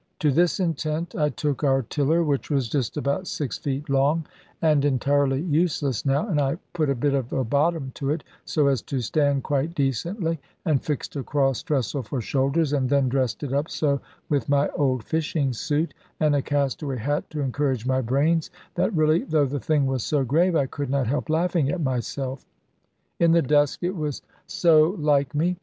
To this intent, I took our tiller, which was just about six feet long, and entirely useless now, and I put a bit of a bottom to it, so as to stand quite decently, and fixed a cross tressel for shoulders, and then dressed it up so with my old fishing suit and a castaway hat to encourage my brains, that really, though the thing was so grave, I could not help laughing at myself; in the dusk it was so like me.